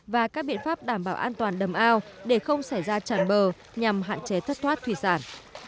và các biện pháp đảm bảo an toàn đầm ao để không xảy ra tràn bờ nhằm hạn chế thất thoát thủy sản